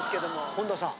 本田さん。